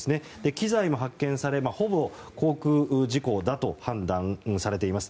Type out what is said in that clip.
機材も発見されほぼ航空事故だと判断されています。